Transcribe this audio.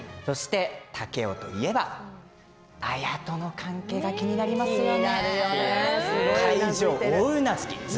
竹雄といえば綾との関係が気になりますよね。